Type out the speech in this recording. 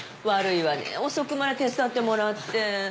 悪いわね遅くまで手伝ってもらって。